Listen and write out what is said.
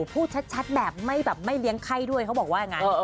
พูดชัดแบบไม่แบบไม่เลี้ยงไข้ด้วยเขาบอกว่าอย่างนั้น